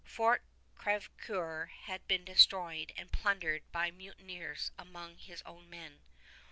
Fort Crèvecoeur had been destroyed and plundered by mutineers among his own men.